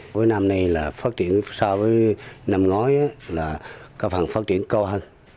cuối năm nay là phát triển so với năm ngói là có phần phát triển cô hơn